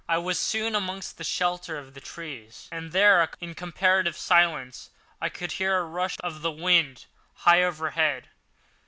I was soon amongst the shelter of the trees, and there, in comparative silence, I could hear the rush of the wind high overhead.